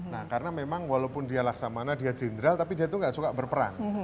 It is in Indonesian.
nah karena memang walaupun dia laksamana dia jenderal tapi dia tuh gak suka berperang